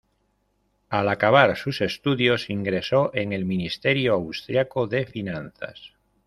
Al acabar sus estudios ingresó en el Ministerio Austriaco de Finanzas.